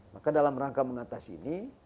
maka dalam rangka mengatasi ini